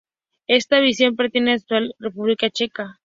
Esta visión persiste aún en la actual República Checa.